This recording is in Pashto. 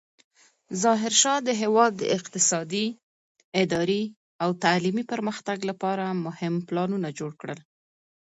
ظاهرشاه د هېواد د اقتصادي، اداري او تعلیمي پرمختګ لپاره مهم پلانونه جوړ کړل.